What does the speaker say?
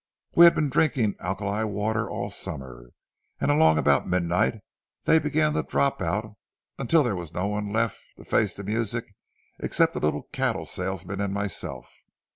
"We had been drinking alkali water all summer, and along about midnight they began to drop out until there was no one left to face the music except a little cattle salesman and myself.